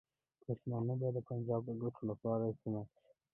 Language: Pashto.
پښتانه به د پنجاب د ګټو لپاره استعمال شي.